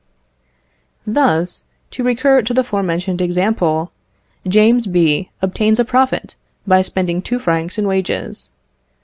Thus, to recur to the forementioned example, James B. obtains a profit by spending two francs in wages.